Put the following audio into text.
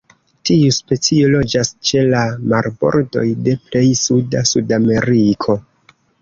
Tiu specio loĝas ĉe la marbordoj de plej suda Sudameriko.